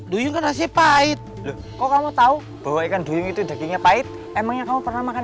duyung kan rasanya pahit loh kok kamu tahu bahwa ikan duyung itu dagingnya pahit emangnya kamu pernah makan